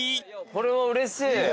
これはうれしい。